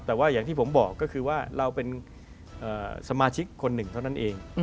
แต่ว่าอย่างที่ผมบอกก็คือว่าเราเป็นสมาชิกคนหนึ่งเท่านั้นเอง